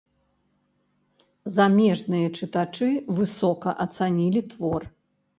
Замежныя чытачы высока ацанілі твор.